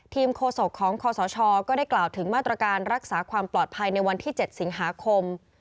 โฆษกของคศก็ได้กล่าวถึงมาตรการรักษาความปลอดภัยในวันที่๗สิงหาคม